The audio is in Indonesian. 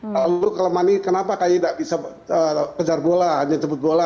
lalu kelemahan ini kenapa kay tidak bisa kejar bola hanya jemput bola